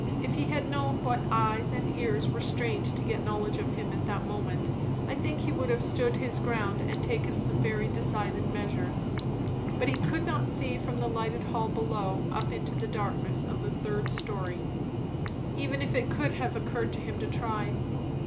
If he had known what eyes and ears were strained to get knowledge of him at that moment, I think he would have stood his ground and taken some very decided measures. But he could not see from the lighted hall below up into the darkness of the third story, even' if it could have occurred to him to try.